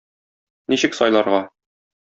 Ничек сайларга?